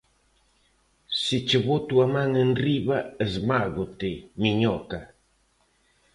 Se che boto a man enriba, esmágote, miñoca.